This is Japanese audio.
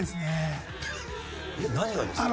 何がですか？